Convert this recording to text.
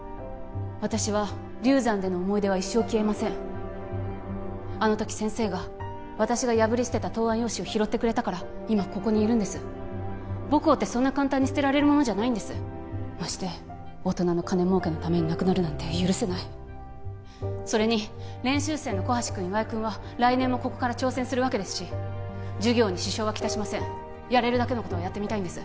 私は龍山での思い出は一生消えませんあの時先生が私が破り捨てた答案用紙を拾ってくれたから今ここにいるんです母校ってそんな簡単に捨てられるものじゃないんですまして大人の金儲けのためになくなるなんて許せないそれに練習生の小橋君岩井君は来年もここから挑戦するわけですし授業に支障はきたしませんやれるだけのことはやってみたいんです